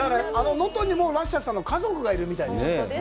あの能登にもラッシャーさんの家族がいるみたいでした。